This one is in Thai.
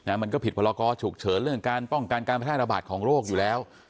มันก็ผิดพรกรฉุกเฉินเรื่องการป้องกันการแพร่ระบาดของโรคอยู่แล้ว